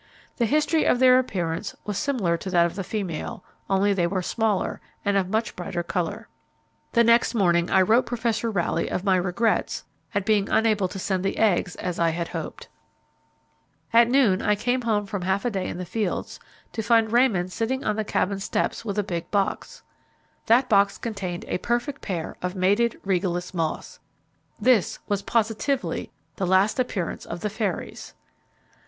The history of their appearance, was similar to that of the female, only they were smaller, and of much brighter. colour. The next morning I wrote Professor Rowley of my regrets at being unable to send the eggs as I had hoped. At noon I came home from half a day in the fields, to find Raymond sitting on the Cabin steps with a big box. That box contained a perfect pair of mated Regalis moths. This was positively the last appearance of the fairies.